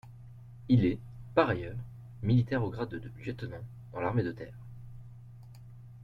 Il est, par ailleurs, militaire au grade de lieutenant dans l'armée de terre.